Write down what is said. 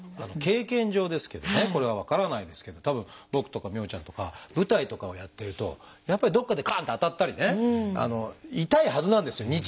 経験上ですけどねこれは分からないですけどたぶん僕とか美帆ちゃんとか舞台とかをやってるとやっぱりどっかでガン！と当たったりね痛いはずなんですよ